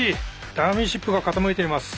ダミーシップが傾いています。